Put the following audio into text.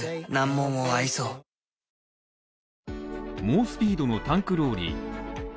猛スピードのタンクローリー。